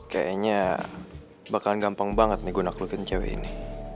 kayaknya bakalan gampang banget nih gue naklukin cewek ini